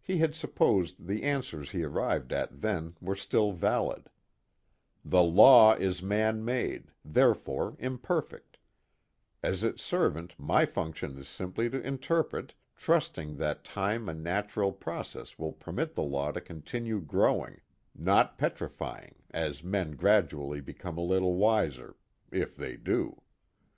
He had supposed the answers he arrived at then were still valid: _The law is man made, therefore imperfect: as its servant, my function is simply to interpret, trusting that time and natural process will permit the law to continue growing, not petrifying, as men gradually become a little wiser (if they do).